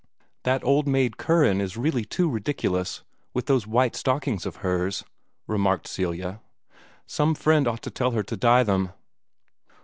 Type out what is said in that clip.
"That old maid Curran is really too ridiculous, with those white stockings of hers," remarked Celia; "some friend ought to tell her to dye them."